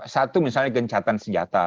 satu misalnya gencatan senjata